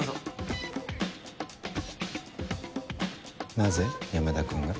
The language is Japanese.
なぜ山田君が？